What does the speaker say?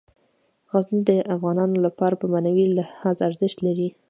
غزني د افغانانو لپاره په معنوي لحاظ ارزښت لري.